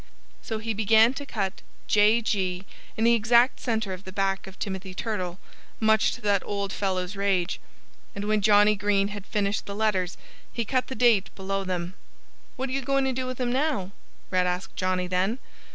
So he began to cut "J. G." in the exact center of the back of Timothy Turtle, much to that old fellow's rage. And when Johnnie Green had finished the letters he cut the date below them. "What you goin' to do with him now?" Red asked Johnnie then.